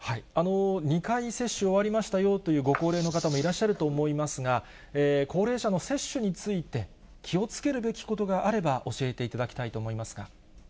２回接種終わりましたというご高齢の方もいらっしゃると思いますが、高齢者の接種について、気をつけるべきことがあれば、教えていただきたいと思いますが。